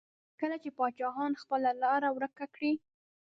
کله چې پاچاهان خپله لاره ورکه کړي.